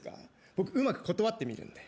僕うまく断ってみるんで。